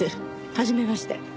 はじめまして。